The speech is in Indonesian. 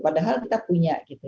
padahal kita punya gitu